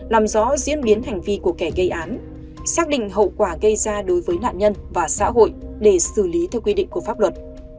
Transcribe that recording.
làm rõ diễn biến hành vi của kẻ gây án xác định hậu quả gây ra đối với nạn nhân và xã hội để xử lý theo quy định của pháp luật